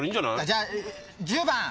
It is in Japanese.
じゃあ１０番。